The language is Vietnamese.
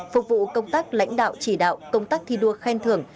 phục vụ công tác lãnh đạo chỉ đạo công tác thi đua khen thưởng